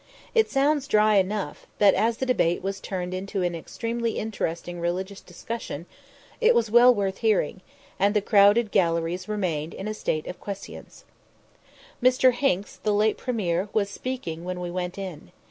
It sounds dry enough, but, as the debate was turned into an extremely interesting religious discussion, it was well worth hearing, and the crowded galleries remained in a state of quiescence. Mr. Hincks, the late Premier, was speaking when we went in.